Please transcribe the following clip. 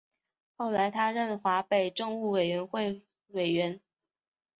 后来他任华北政务委员会委员。